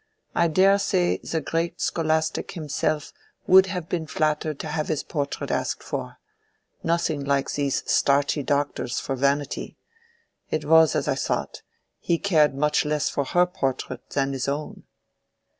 I dare say the great scholastic himself would have been flattered to have his portrait asked for. Nothing like these starchy doctors for vanity! It was as I thought: he cared much less for her portrait than his own."